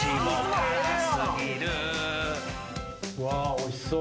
おいしそう。